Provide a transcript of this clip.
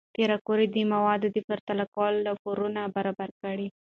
پېیر کوري د موادو د پرتله کولو راپور نه برابر کړ؟